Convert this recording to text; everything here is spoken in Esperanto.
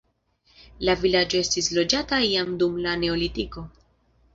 La vilaĝo estis loĝata jam dum la neolitiko.